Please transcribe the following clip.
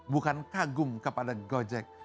bukan kagum kepada gojek